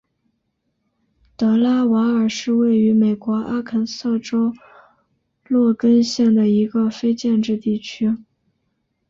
德拉瓦尔是位于美国阿肯色州洛根县的一个非建制地区。